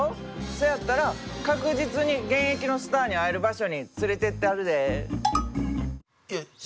せやったら確実に現役のスターに会える場所に連れてったるで。